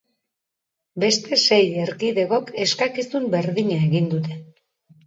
Beste sei erkidegok eskakizun berdina egin dute.